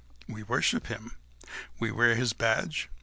we worship him ... we wear his badge